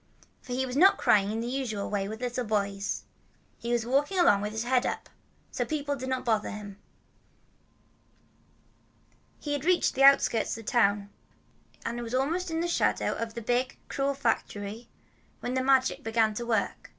For he was not crying in the usual way with little boys. He was walking along with his head up. So people did not bother him. He had reached the outskirts of the town, and was almost in the shadow of the big, cruel factory, when the Magic began to work.